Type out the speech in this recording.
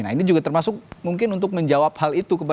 nah ini juga termasuk mungkin untuk menjawab hal itu